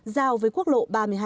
giao với quốc lộ ba